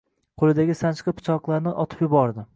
Qo‘lidagi sanchqi pichoqlarni otib yubordi